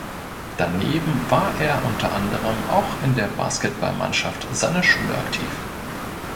Daneben war er unter anderem auch in der Basketballmannschaft seiner Schule aktiv.